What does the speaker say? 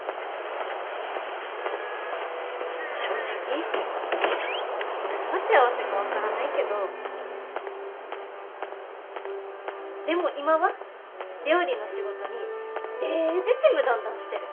正直何が幸せか分からないけどでも今は料理の仕事にデージちむどんどんしてる！